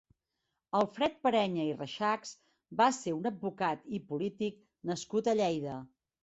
Alfred Perenya i Reixachs va ser un advocat i polític nascut a Lleida.